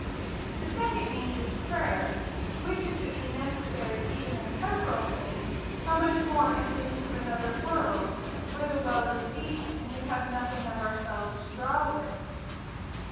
— The second means is prayer ; which, if it be neces sary even in temporal things, how much more in things of another world, where the well is deep, and we have nothing of ourselves to draw with